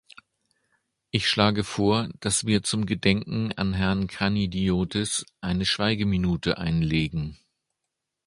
Ich schlage vor, dass wir zum Gedenken an Herrn Kranidiotis eine Schweigeminute einlegen.